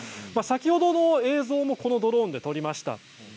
先ほどの映像もこのドローンで撮りました。